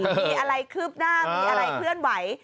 มีอะไรคืบหน้ามีอะไรเคลื่อนไหว